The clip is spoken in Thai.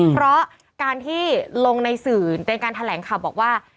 เพราะการที่ลงในสื่อเป็นการแถลงข่าวบอกว่า